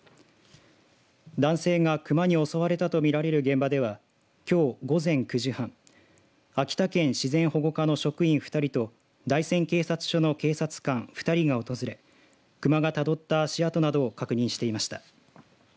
男性が熊に襲われたと見られる現場ではきょう午前９時半秋田県自然保護課の職員２人と大仙警察署の警察官２人が訪れ熊がたどった足跡などを確認していました。